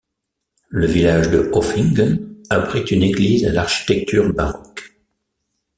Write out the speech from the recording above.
Le village de Öfingen abrite une église à l'architecture baroque.